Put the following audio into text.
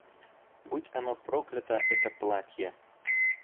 Будь оно проклято, это платье!